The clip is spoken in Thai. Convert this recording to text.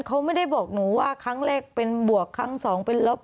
เขาไม่ได้บอกหนูว่าครั้งแรกเป็นบวกครั้งสองเป็นลบ